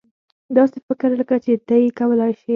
داسې فکر لکه چې ته یې کولای شې.